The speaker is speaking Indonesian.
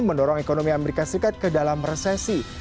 mendorong ekonomi amerika serikat ke dalam resesi